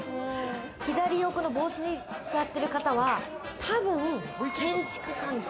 左横の帽子の座ってる方はたぶん建築関係。